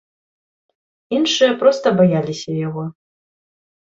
Іншыя проста баяліся яго.